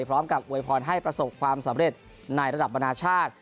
พร้อมกับอวยพรให้ประสบความสำเร็จในระดับมนาชาติ